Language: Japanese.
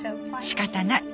しかたない！